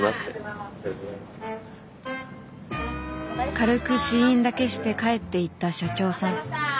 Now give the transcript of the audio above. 軽く試飲だけして帰っていった社長さん。